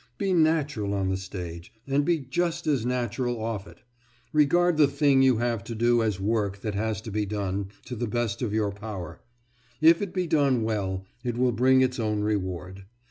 Be natural on the stage, and be just as natural off it; regard the thing you have to do as work that has to be done to the best of your power; if it be well done, it will bring its own reward.